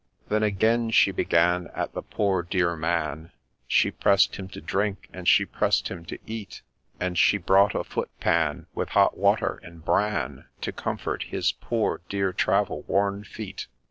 Then again she began at the ' poor dear ' man ; She press'd him to drink, and she press'd him to eat, And she brought a foot pan, with hot water and bran, To comfort his ' poor dear ' travel worn feet.